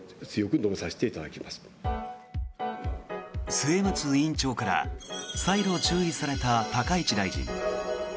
末松委員長から再度注意された高市大臣。